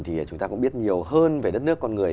thì chúng ta cũng biết nhiều hơn về đất nước con người